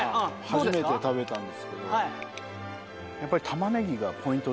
初めて食べたんですけどやっぱり。